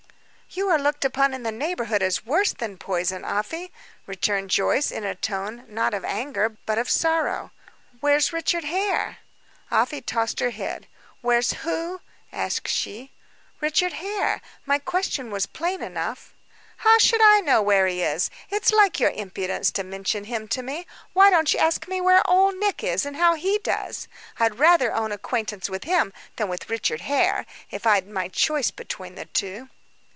"You are looked upon in the neighborhood as worse than poison, Afy," returned Joyce, in a tone, not of anger but of sorrow. "Where's Richard Hare?" Afy tossed her head. "Where's who?" asked she. "Richard Hare. My question was plain enough." "How should I know where he is? It's like your impudence to mention him to me. Why don't you ask me where Old Nick is, and how he does? I'd rather own acquaintance with him than with Richard Hare, if I'd my choice between the two."